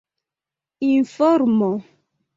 informo